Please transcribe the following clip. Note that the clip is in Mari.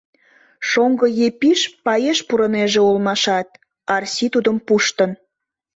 Шоҥго Епиш паеш пурынеже улмашат, Арси тудым пуштын.